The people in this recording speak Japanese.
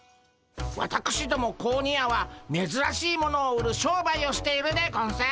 わたくしども子鬼屋はめずらしいものを売る商売をしているでゴンス。